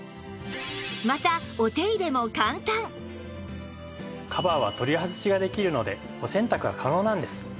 またカバーは取り外しができるのでお洗濯が可能なんです。